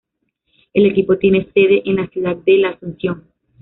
El equipo tiene sede en la ciudad de La Asunción.